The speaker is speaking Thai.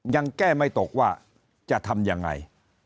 ยังแก้ไม่ตกว่าจะทำยังไง